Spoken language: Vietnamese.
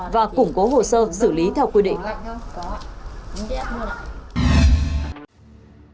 và cũng có hồ sơ xử lý theo quy định